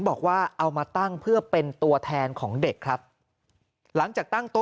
บอกว่าเอามาตั้งเพื่อเป็นตัวแทนของเด็กครับหลังจากตั้งโต๊